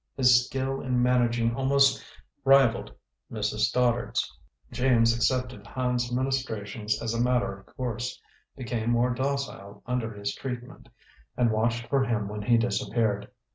His skill in managing almost rivaled Mrs. Stoddard's. James accepted Hand's ministrations as a matter of course, became more docile under his treatment, and watched for him when he disappeared.